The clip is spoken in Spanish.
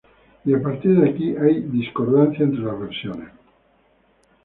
Y a partir de aquí hay discordancia entre las versiones.